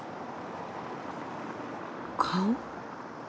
顔？